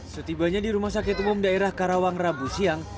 setibanya di rumah sakit umum daerah karawang rabu siang